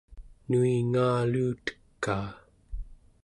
nuingaaluutekaa